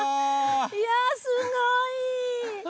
いやすごい。